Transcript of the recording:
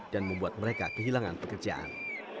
dan membuat mereka kehilangan pekerjaan